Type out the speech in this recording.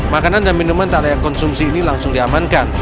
makanan dan minuman tak layak konsumsi ini langsung diamankan